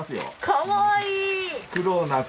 かわいい！